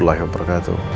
dan saya akan menghubungimu